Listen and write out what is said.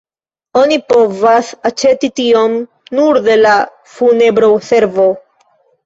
Oni povas aĉeti tion nur de la funebroservo.